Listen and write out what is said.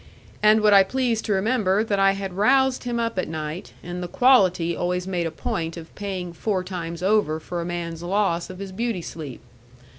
And would I please to remember that I had roused him up at night, and the quality always made a point of paying four times over for a man's loss of his beauty sleep.